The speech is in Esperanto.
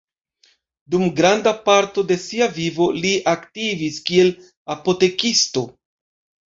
Dum granda parto de sia vivo, li aktivis kiel apotekisto.